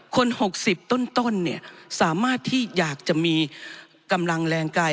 คนหกสิบต้นต้นเนี่ยสามารถที่อยากจะมีกำลังแรงกาย